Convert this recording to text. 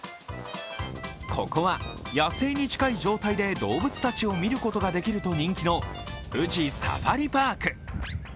ここは、野生に近い状態で動物たちを見ることができると人気の富士サファリパーク。